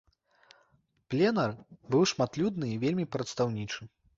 Пленэр быў шматлюдны і вельмі прадстаўнічы.